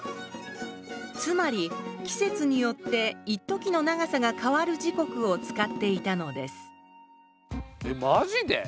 つまり季節によっていっときの長さが変わる時刻を使っていたのですえマジで？